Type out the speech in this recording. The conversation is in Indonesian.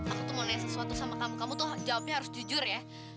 aku tuh mau nanya sesuatu sama kamu kamu tuh jawabnya harus jujur ya